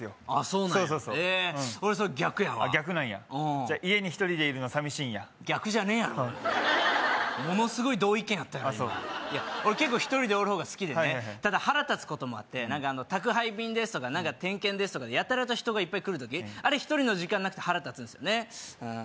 そうなんやえっ俺それ逆やわあっ逆なんやじゃあ家に１人でいるの寂しいんや逆じゃねえやろものすごい同意見やったやろ今あっそう俺結構１人でおる方が好きでねただ腹立つこともあって何か「宅配便です」とか「点検です」とかやたらと人がいっぱい来る時１人の時間なくて腹立つんですよね